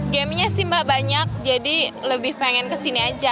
gamenya sih mbak banyak jadi lebih pengen kesini aja